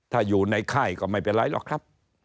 ถ้าอยู่ในค่ายก็ไม่เป็นไรหรอกครับ